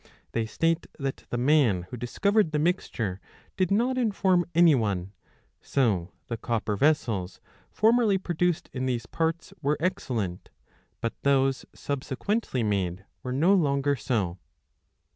6 They state that the man who discovered the mixture did not inform any one ; so the copper vessels formerly produced in these parts were excellent, but those subsequently made were no longer so.